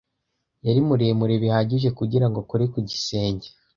Yari muremure bihagije kugirango akore ku gisenge.